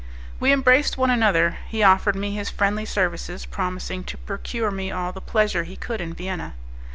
We embraced one another; he offered me his friendly services, promising to procure me all the pleasure he could in Vienna.